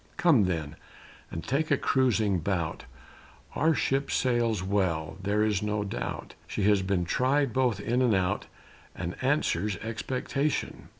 Come, then, and take a cruising bout, Our ship sails well, there is no doubt, She has been tried both in and out, And answers expectation.